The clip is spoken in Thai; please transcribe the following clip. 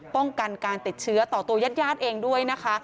ป้องกันการติดเชื้อต่อตัวยัดเองด้วยนะคะ